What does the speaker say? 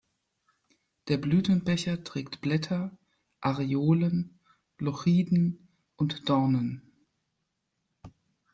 Der Blütenbecher trägt Blätter, Areolen, Glochiden und Dornen.